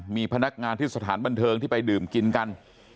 มีพนักงานที่สถานบันเทิงที่ไปดื่มกินกัน